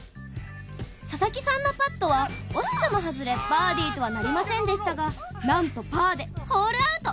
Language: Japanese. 佐々木さんのパットは惜しくも外れバーディーとはなりませんでしたがなんとパーでホールアウト。